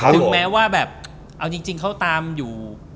ถึงแม้ว่าแบบเอาจริงเขาตามอยู่